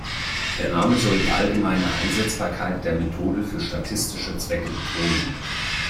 Der Name soll die allgemeine Einsetzbarkeit der Methode für statistische Zwecke betonen.